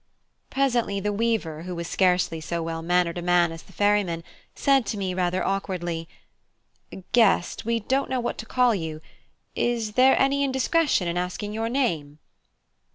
Presently the weaver, who was scarcely so well mannered a man as the ferryman, said to me rather awkwardly: "Guest, we don't know what to call you: is there any indiscretion in asking you your name?"